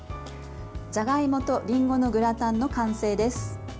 じゃがいもとりんごのグラタンの完成です。